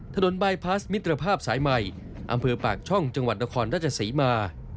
บายพลาสมิตรภาพสายใหม่อำเภอปากช่องจังหวัดนครราชศรีมา